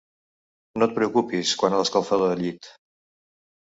No et preocupis quant a l'escalfador de llit.